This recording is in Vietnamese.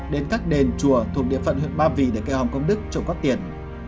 đến các đền chùa thùng địa phận huyện ba vì để cậy hòm công đức trộm các tiền